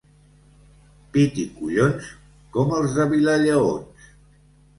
Pit i collons, com els de Vilalleons.